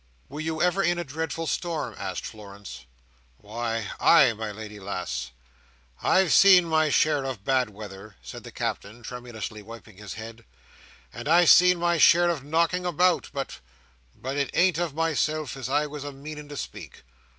"Were you ever in a dreadful storm?" asked Florence. "Why ay, my lady lass, I've seen my share of bad weather," said the Captain, tremulously wiping his head, "and I've had my share of knocking about; but—but it ain't of myself as I was a meaning to speak.